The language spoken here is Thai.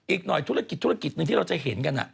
อีกหน่อยธุรกิจธุรกิจหนึ่งที่เราจะเห็นกัน